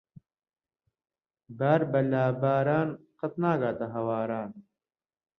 بار بە لاباران قەت ناگاتە ھەواران.